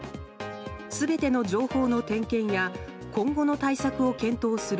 全ての情報の点検や今後の対策を検討する